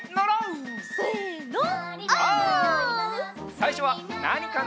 さいしょはなにかな？